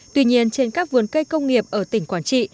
tuy nhiên trên các vườn cây công nghiệp ở tỉnh quảng trị